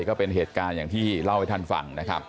ก็เป็นเหตุการณ์อย่างที่เล่าให้ท่านฟังนะครับ